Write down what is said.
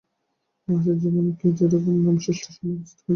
মানুষের জীবনেও কি ঐ রকমের নাম সৃষ্টি করবার সময় উপস্থিত হয় না।